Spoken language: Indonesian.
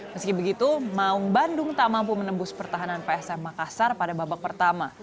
meski begitu maung bandung tak mampu menembus pertahanan psm makassar pada babak pertama